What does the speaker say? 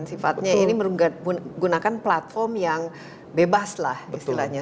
sifatnya ini menggunakan platform yang bebas lah istilahnya